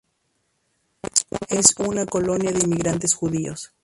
Es una colonia de inmigrantes judíos.